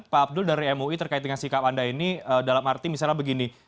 pak abdul dari mui terkait dengan sikap anda ini dalam arti misalnya begini